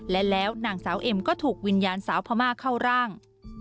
และแล้วนางสาวเอ็มก็ถูกวิญญาณสาวพม่าเข้าร่าง